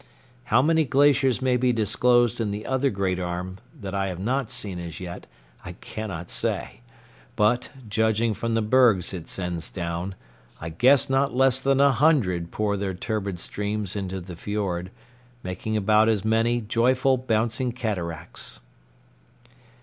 How many glaciers may be disclosed in the other great arm that I have not seen as yet, I cannot say, but, judging from the bergs it sends down, I guess not less than a hundred pour their turbid streams into the fiord, making about as many joyful, bouncing cataracts.